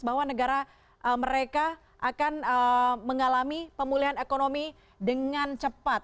bahwa negara mereka akan mengalami pemulihan ekonomi dengan cepat